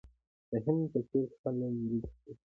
د هند په سویل کې خلک وریجې خوري.